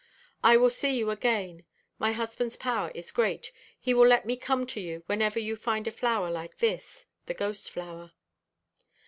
I will see you again; my husband's power is great; he will let me come to you whenever you find a flower like this—the Ghost flower."